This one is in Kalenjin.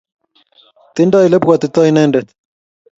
Tindo elepwatito indendet